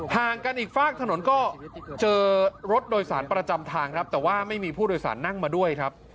ห่างกันอีกฝากถนนก็เจอรถโดยสารประจำทางครับแต่ว่าไม่มีผู้โดยสารนั่งมาด้วยครับ